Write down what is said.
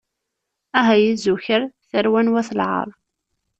Ah ay izukar, tarwa n wat lɛaṛ.